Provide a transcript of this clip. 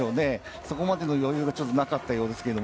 そこまでの余裕がなかなか、なかったようですけれども。